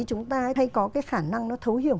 chúng ta hay có cái khả năng nó thấu hiểu